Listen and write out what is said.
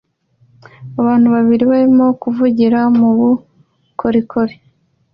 Abantu babiri barimo kuvugira mubukorikori